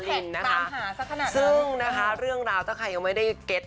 เรียนรู้สึกสามารถเป็นพิเศษอะไรอย่างนี้ไหมครับ